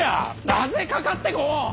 なぜかかってこん！